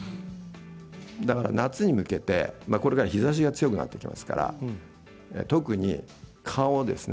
だから夏に向けてこれから日ざしが強くなってきますから特に顔ですね